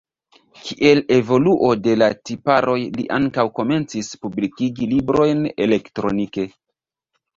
Kiel evoluo de la tiparoj li ankaŭ komencis publikigi librojn elektronike.